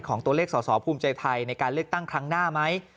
ของตัวเลขสอสอภูมิใจไทยในการเลือกตั้งครั้งหน้าไหม